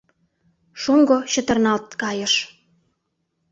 Шоҥго чытырналт кайыш.